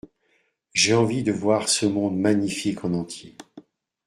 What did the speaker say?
J’ai envie de voir ce monde magnifique en entier.